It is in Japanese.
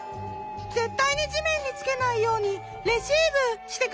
ぜったいに地めんにつけないようにレシーブしてくださる？